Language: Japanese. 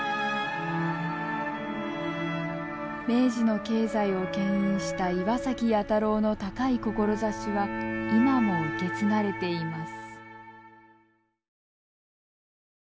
明治の経済をけん引した岩崎弥太郎の高い志は今も受け継がれています。